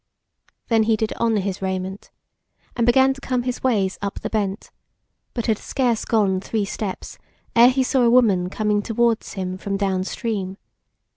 Then he did on his raiment, and began to come his ways up the bent, but had scarce gone three steps ere he saw a woman coming towards him from downstream.